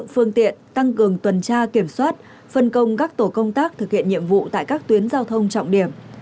phương tiện tăng cường tuần tra kiểm soát phân công các tổ công tác thực hiện nhiệm vụ tại các tuyến giao thông trọng điểm